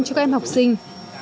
các em học sinh